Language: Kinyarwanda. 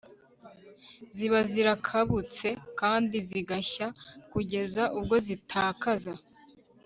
ziba zarakabutse kandi zigashya kugeza ubwo zitakaza